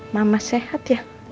mama sehat ya